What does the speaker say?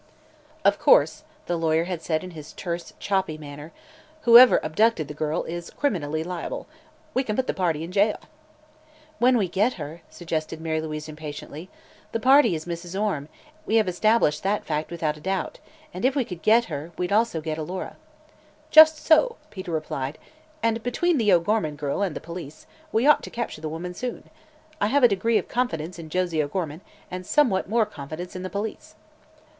"Of course," the lawyer had said in his terse, choppy manner, "whoever abducted the girl is, criminally liable. We can put the party in jail." "When we get her," suggested Mary Louise impatiently. "The party is Mrs. Orme; we have established that fact without a doubt; and, if we could get her, we'd also get Alora." "Just so," Peter replied; "and, between the O'Gorman girl and the police, we ought to capture the woman soon. I have a degree of confidence in Josie O'Gorman and somewhat more confidence in the police."